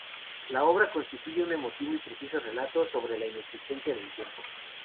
La obra constituye un emotivo y precioso relato sobre la inexistencia del tiempo.